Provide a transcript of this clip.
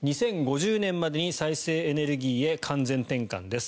２０５０年までに再生エネルギーへ完全転換です。